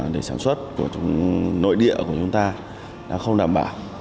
để sản xuất của nội địa của chúng ta không đảm bảo